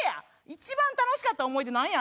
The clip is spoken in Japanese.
一番楽しかった思い出なんや？